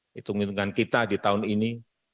hitung hitungan kita di tahun ini